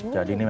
jadi ini memang